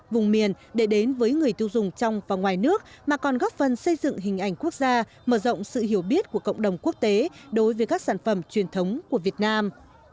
vùng miền để đến với người tiêu dùng trong và ngoài nước mà còn góp phần xây dựng hình ảnh quốc gia mở rộng sự hiểu biết của cộng đồng quốc tế đối với các sản phẩm truyền thống của việt nam